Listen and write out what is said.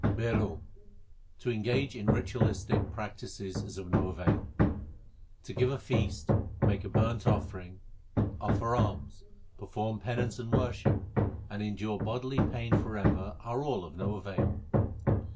BHAIRO To engage in ritualistic practices is of no avail : To give a feast, make a burnt offering, offer alms, perform penance and worship, and endure bodily pain for ever are all of no avail.